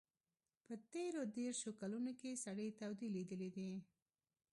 په تېرو دېرشو کلونو کې سړې تودې لیدلي دي.